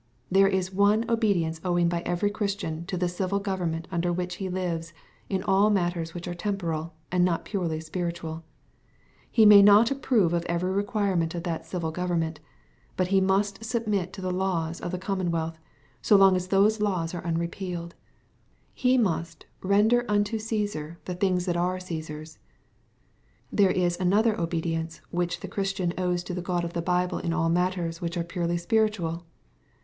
There is one obedience owing by every Christian to the civil government under which he lives, in all matters which are temporal, and not purely spiritual. He may not approve of every requirement of that civil government. But he must submit to the laws of the commonwealth, so long as those laws are unre MATTHEW, CHAP. XXII. 28t pealeeL He must " render unto OaBsar the things that aro C8e8ar's.''V There is another obedience which the Chris tian owes to the God of the Bible in all matters which are purely spiritual.